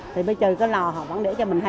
thì bây giờ lò họ vẫn để cho mình hai mươi năm cây